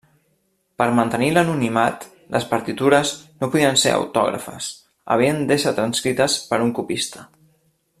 Per mantenir l’anonimat, les partitures no podien ser autògrafes, havien d’ésser transcrites per un copista.